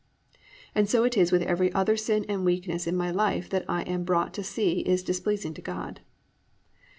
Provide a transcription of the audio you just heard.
And so it is with every other sin and weakness in my life that I am brought to see is displeasing to God.